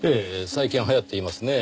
最近流行っていますね。